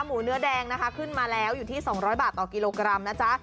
หมูเนื้อแดงนะคะขึ้นมาแล้วอยู่ที่๒๐๐บาทต่อกิโลกรัมนะจ๊ะ